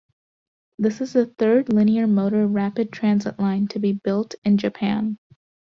This is the third linear motor rapid transit line to be built in Japan.